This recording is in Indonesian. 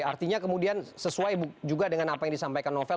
artinya kemudian sesuai juga dengan apa yang disampaikan novel